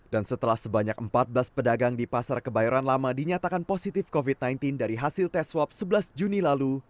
dan setelah sebanyak empat belas pedagang di pasar kebayoran lama dinyatakan positif covid sembilan belas dari hasil tes swab sebelas juni lalu